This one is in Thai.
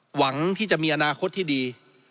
หวังที่จะมีอนาคตที่ดี